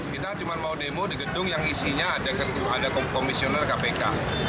kita cuma mau demo di gedung yang isinya ada komisioner kpk